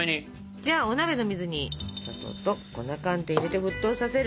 じゃあお鍋の水にお砂糖と粉寒天入れて沸騰させる。